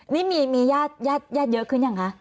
นี่มีญาติเยอะขึ้นยังคะ